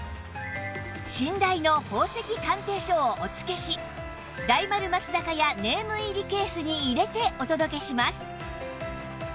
信頼の宝石鑑定書をお付けし大丸松坂屋ネーム入りケースに入れてお届けします